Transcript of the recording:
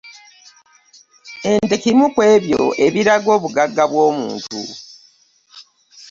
Ente kimu ku ebyo ebiraga obugagga bw'omuntu.